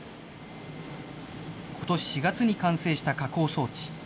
ことし４月に完成した加工装置。